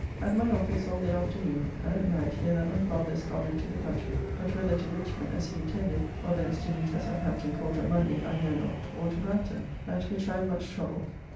At my office all the afternoon, and at night hear that my father is gone into the country, but whether to Richmond as he intended, and thence to meet us at Hampton Court on Monday, I know not, or to Brampton. At which I am much troubled.